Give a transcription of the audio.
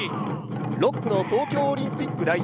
６区の東京オリンピック代表